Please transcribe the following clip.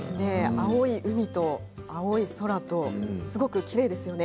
青い海と青い空とすごくきれいですよね。